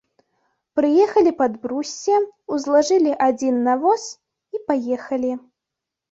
Прыехалі пад бруссе, узлажылі адзін на воз і паехалі.